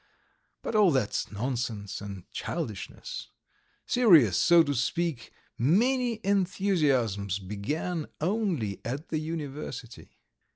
... But all that's nonsense and childishness. Serious, so to speak, manly enthusiasms began only at the university.